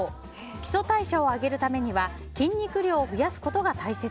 基礎代謝を上げるためには筋肉量を増やすことが大切。